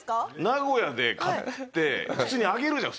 名古屋で買って普通にあげるじゃん？